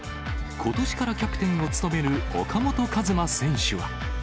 ことしからキャプテンを務める岡本和真選手は。